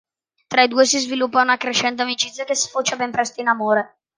Tra i due si sviluppa una crescente amicizia che sfocia ben presto in amore.